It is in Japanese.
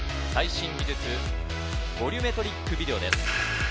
最新技術ボリュメトリックビデオです。